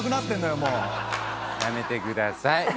やめてください。